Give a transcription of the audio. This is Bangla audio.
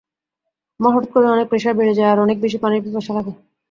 আমার হঠাৎ করেই অনেক প্রেসার বেড়ে যায় আর অনেক বেশি পানির পিপাসা লাগে।